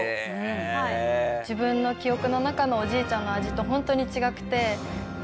自分の記憶の中のおじいちゃんの味とホントに違くて。